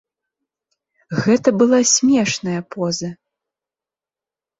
Гэта была смешная поза.